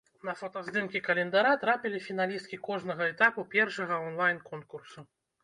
На фотаздымкі календара трапілі фіналісткі кожнага этапу першага онлайн-конкурсу.